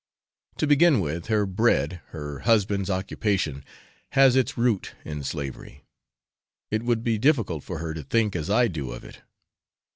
To begin with, her bread, her husband's occupation, has its root in slavery; it would be difficult for her to think as I do of it.